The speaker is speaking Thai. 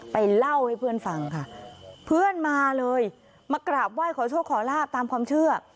เล่าให้เพื่อนฟังค่ะเพื่อนมาเลยมากราบไหว้ขอโชคขอลาบตามความเชื่อ